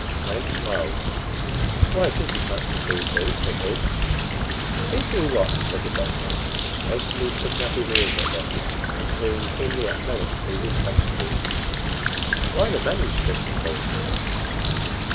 Melick smiled. "Why, it isn't much to see through," said he. "See through what?" said the doctor, hastily, pricking up his ears at this, and peering keenly at Melick through his spectacles. "Why, the manuscript, of course."